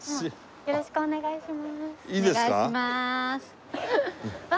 よろしくお願いします。